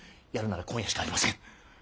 やるなら今夜しかありません。